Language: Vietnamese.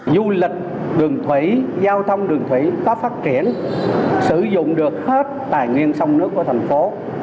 du lịch đường thủy giao thông đường thủy có phát triển sử dụng được hết tài nguyên sông nước của thành phố